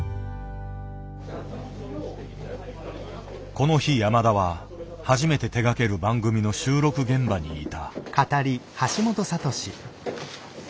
この日山田は初めて手がける番組の収録現場にいた。